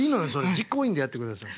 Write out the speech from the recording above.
実行委員でやってください。